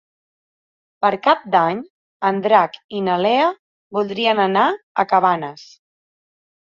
Per Cap d'Any en Drac i na Lea voldrien anar a Cabanes.